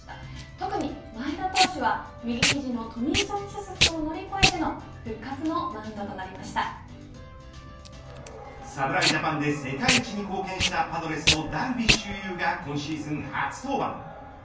特に前田投手は右ひじのトミー・ジョン手術を乗り越えての侍ジャパンで世界一に貢献したパドレスのダルビッシュ有が今シーズン初登板。